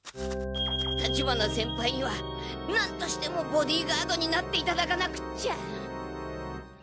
立花先輩にはなんとしてもボディーガードになっていただかなくっちゃ。